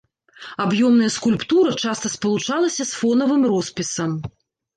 Аб'ёмная скульптура часта спалучалася з фонавым роспісам.